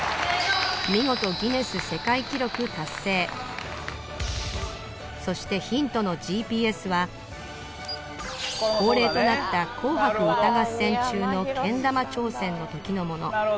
見事ギネス世界記録達成そしてヒントのＧＰＳは恒例となった『紅白歌合戦』中のけん玉挑戦の時のもの